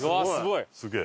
すげえ！